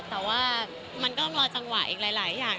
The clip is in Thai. แต่ว่ามันก็รอจังหวะอีกหลายอย่าง